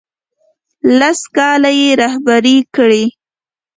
لس کاله یې رهبري کړ.